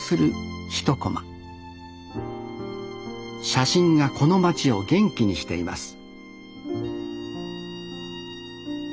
写真がこの町を元気にしています